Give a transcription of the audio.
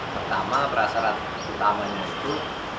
pertama persyarat utamanya itu